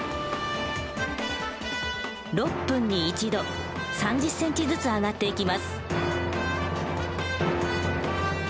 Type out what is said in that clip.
６分に１度３０ｃｍずつ上がっていきます。